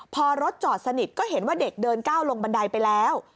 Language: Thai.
พอรถจอดสนิทก็เห็นว่าเด็กเดินก้าวลงบันไดไปแล้ว